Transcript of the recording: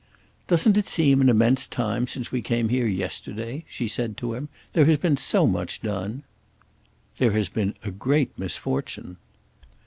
"Doesn't it seem an immense time since we came here yesterday?" she said to him. "There has been so much done." "There has been a great misfortune."